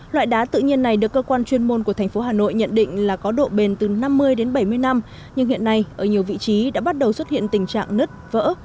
loại đá tự nhiên này được cơ quan chuyên môn của thành phố hà nội nhận định là có độ bền từ năm mươi đến bảy mươi năm nhưng hiện nay ở nhiều vị trí đã bắt đầu xuất hiện tình trạng nứt vỡ